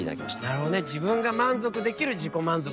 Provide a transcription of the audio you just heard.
なるほどね自分が満足できる自己満足の方なんだね。